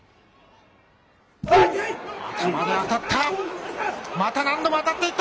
頭で当たった。